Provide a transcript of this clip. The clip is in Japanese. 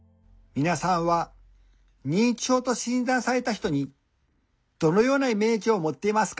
「みなさんは『認知症』と診断された人にどのようなイメージを持っていますか？